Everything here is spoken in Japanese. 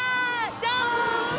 じゃん！